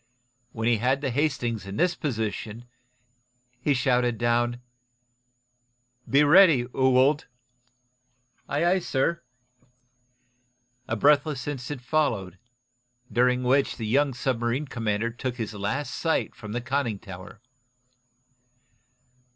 When he had the "Hastings" in this position he shouted down: "Be ready, Ewald!" "Aye, aye, sir!" A breathless instant followed, during which the young submarine commander took his last sight from the conning tower.